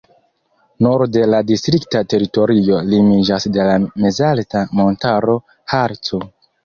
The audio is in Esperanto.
Norde la distrikta teritorio limiĝas de la mezalta montaro Harco.